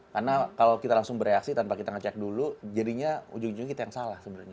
karena kalau kita langsung bereaksi tanpa kita ngecek dulu jadinya ujung ujungnya kita yang salah sebenarnya